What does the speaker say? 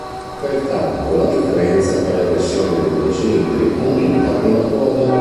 Pertanto la differenza tra le pressioni nei due cilindri aumenta con la quota.